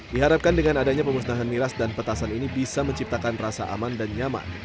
diharapkan dengan adanya pemusnahan miras dan petasan ini bisa menciptakan rasa aman dan nyaman